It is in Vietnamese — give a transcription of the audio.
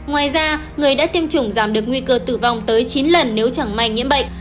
ngoài ra người đã tiêm chủng giảm được nguy cơ tử vong tới chín lần nếu chẳng may nhiễm bệnh